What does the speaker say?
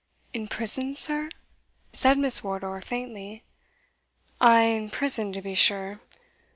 "In prison, sir?" said Miss Wardour, faintly. "Ay, in prison to be sure.